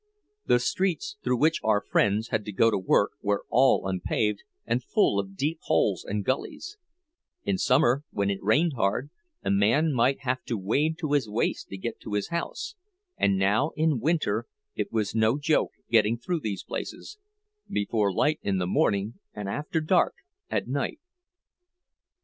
The streets through which our friends had to go to their work were all unpaved and full of deep holes and gullies; in summer, when it rained hard, a man might have to wade to his waist to get to his house; and now in winter it was no joke getting through these places, before light in the morning and after dark at night.